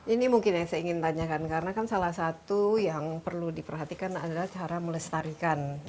ini mungkin yang saya ingin tanyakan karena kan salah satu yang perlu diperhatikan adalah cara melestarikan